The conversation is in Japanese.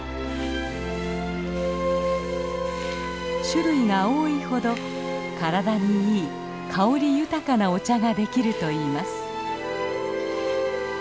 種類が多いほど体にいい香り豊かなお茶ができるといいます。